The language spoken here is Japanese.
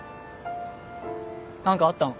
何かあったの？